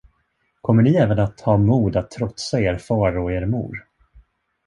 Kommer ni även att ha mod att trotsa er far och er mor?